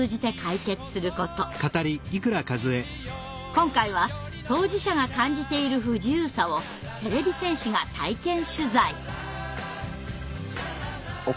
今回は当事者が感じている不自由さをてれび戦士が体験取材！